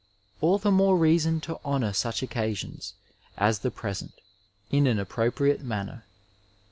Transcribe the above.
All the more reason to honour such occasions as the present in an appropriate manner.